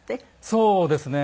そうですね。